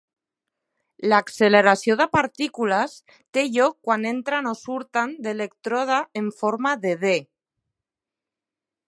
L'acceleració de partícules té lloc quan entren o surten de l'elèctrode en forma de D.